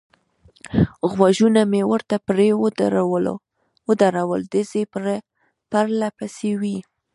غوږونه مې ورته پرې ودرول، ډزې پرله پسې وې.